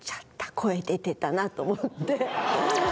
声出てたなと思って。